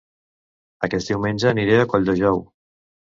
Aquest diumenge aniré a Colldejou